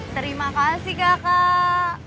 terima kasih kakak